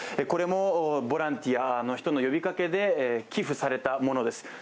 これもボランティアの人の呼びかけで寄付されたものです。